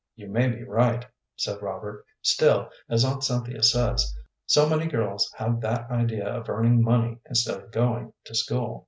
"You may be right," said Robert; "still, as Aunt Cynthia says, so many girls have that idea of earning money instead of going to school."